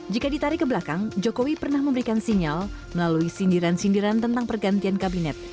jika ditarik ke belakang jokowi pernah memberikan sinyal melalui sindiran sindiran tentang pergantian kabinet